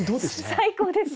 最高です。